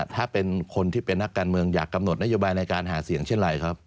ถ้าเป็นคนที่เป็นนักการเมืองอยากกำหนดนโยบายในการหาเสียงเช่นไรครับ